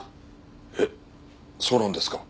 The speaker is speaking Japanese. えっそうなんですか？